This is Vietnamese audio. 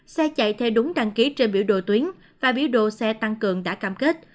xe chạy theo đúng đăng ký trên biểu đồ tuyến và biểu đồ xe tăng cường đã cam kết